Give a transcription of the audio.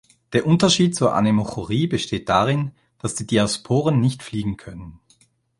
Der Unterschied zur Anemochorie besteht darin, dass die Diasporen nicht fliegen können.